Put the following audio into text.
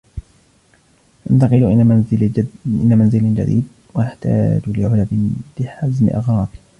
سأنتقل إلى منزل جديد و أحتاج لعلب لحزم أغراضي.